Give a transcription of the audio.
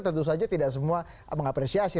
tentu saja tidak semua mengapresiasi